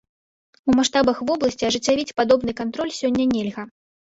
А ў маштабах вобласці ажыццявіць падобны кантроль сёння нельга.